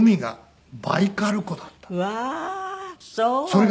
そう。